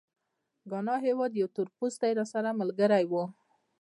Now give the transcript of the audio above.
د ګانا هېواد یو تورپوستی راسره ملګری و.